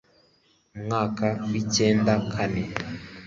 mu mwaka w'icyenda kane